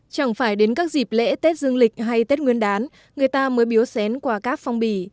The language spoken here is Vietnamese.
chẳng phải đến các dịp lễ tết dương lịch hay tết nguyên đán người ta mới biếu xén qua các phong bì